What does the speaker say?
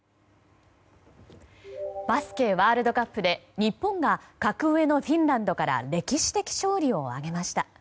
バスケワールドカップで日本が格上のフィンランドから歴史的勝利を挙げました。